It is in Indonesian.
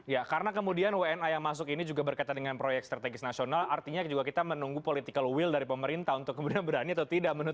ya karena kemudian wna yang masuk ini juga berkaitan dengan proyek strategis nasional artinya juga kita menunggu political will dari pemerintah untuk kemudian berani atau tidak